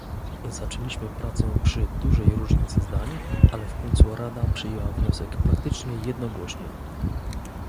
Zaczęliśmy pracę przy dużej różnicy zdań, ale w końcu Rada przyjęła wniosek praktycznie jednogłośnie